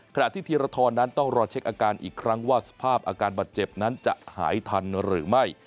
ขณะที่ธีรทรนั้นต้องรอเช็คอาการอีกครั้งว่าสภาพอาการบาดเจ็บนั้นจะหายทันหรือไม่